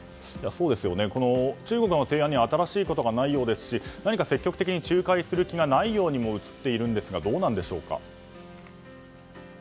そうですよね、中国の提案には新しいことがないようですし積極的に仲介する気がないようにも映っているんですがどうなんでしょうか？